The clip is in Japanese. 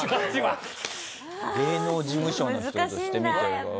芸能事務所の人として見てるから。